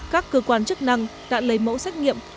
các cơ quan chức năng đã lấy mẫu xét nghiệm